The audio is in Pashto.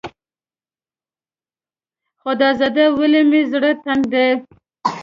خدازده ولې مې زړه تنګ دی.